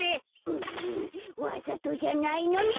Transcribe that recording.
うわざとじゃないのに。